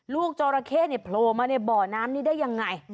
จอราเข้เนี่ยโผล่มาในบ่อน้ำนี้ได้ยังไง